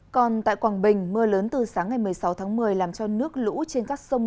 còn tại quảng bình mưa lớn từ sáng ngày một mươi sáu tháng một mươi làm cho nước lũ trên các sông